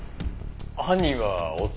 犯人は男？